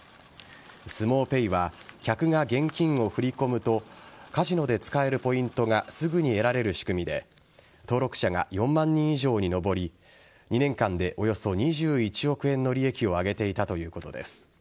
スモウペイは客が現金を振り込むとカジノで使えるポイントがすぐに得られる仕組みで登録者が４万人以上に上り２年間で、およそ２１億円の利益を上げていたということです。